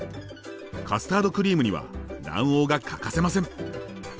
カスタードクリームには卵黄が欠かせません。